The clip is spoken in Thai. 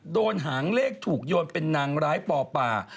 หางเลขถูกโยนเป็นนางร้ายปอป่า